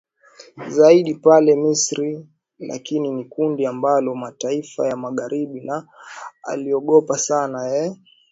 zaida pale misri lakini ni kundi ambalo mataifa ya magharibi na aliogopa sana eeh